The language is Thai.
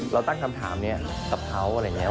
เราตั้งคำถามนี้กับเขาอะไรอย่างนี้